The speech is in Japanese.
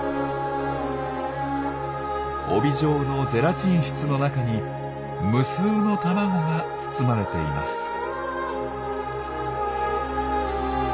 帯状のゼラチン質の中に無数の卵が包まれています。